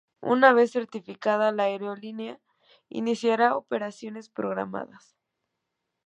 Una vez certificada, la aerolínea iniciará operaciones programadas.